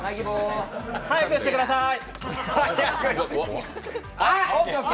早くしてくださーい。